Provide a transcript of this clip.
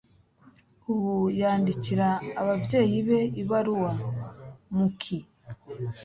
Ubu yandikira ababyeyi be ibaruwa. (mookeee)